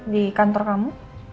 di kantor kamu